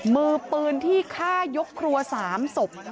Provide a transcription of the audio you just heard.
มือปืนที่ฆ่ายกครัว๓ศพ